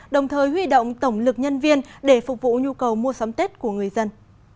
đồng thời huy động tổng lực nhân viên để phục vụ nhu cầu mua sắm tết của người dân